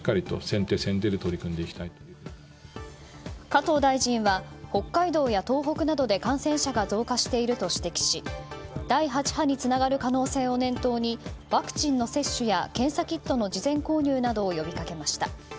加藤大臣は北海道や東北などで感染者が増加していると指摘し第８波につながる可能性を念頭にワクチンの接種や検査キットの事前購入などを呼びかけました。